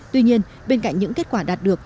tuy nhiên bên cạnh những kết quả đạt được